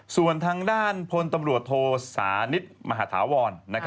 ส่วนทางด้านพลตำรวจโทสานิทมหาธาวร